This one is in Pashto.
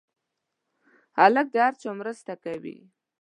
هلک د هر چا مرسته کوي.